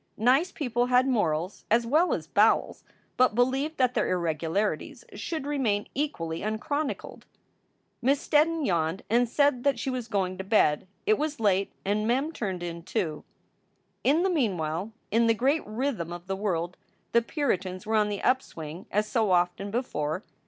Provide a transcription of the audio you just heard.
Nice people had morals as well as bowels, but believed that their irregularities should remain equally unchronicled. Mrs. Steddon yawned and said that she was going to bed. It was late, and Mem turned in, too. In the meanwhile, in the great rhythm of the world the Puritans were on the upswing as so often before.